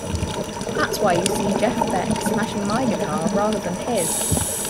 That's why you see Jeff Beck smashing my guitar rather than his!